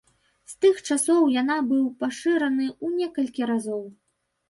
З тых часоў яна быў пашыраны ў некалькі разоў.